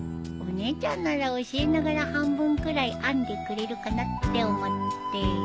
お姉ちゃんなら教えながら半分くらい編んでくれるかなって思って。